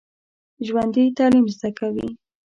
ژوندي تعلیم زده کوي